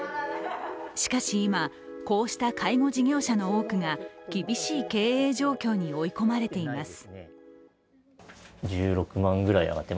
しかし、今、こうした介護事業者の多くが厳しい経営状況に追い込まれています。